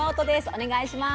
お願いします。